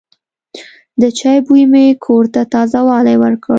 د چای بوی مې کور ته تازه والی ورکړ.